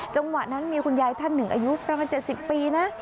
จังหวะนั้นมีคุณยายท่านหนึ่งอายุประมาณ๗๐ปีนะ